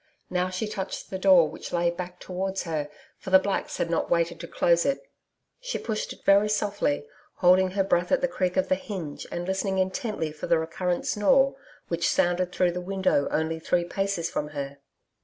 Now she touched the door, which lay back towards her, for the blacks had not waited to close it. She pushed it very softly, holding her breath at the creak of the hinge and listening intently for the recurrent snore which sounded through the window only three paces from her.